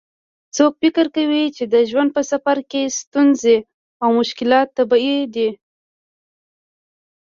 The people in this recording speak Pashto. څوک فکر کوي چې د ژوند په سفر کې ستونزې او مشکلات طبیعي دي